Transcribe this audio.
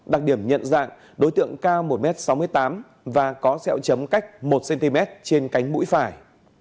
đặc điểm nhận dạng đối tượng cao một m sáu mươi tám và có xẹo chấm cách một cm trên cánh mũi phải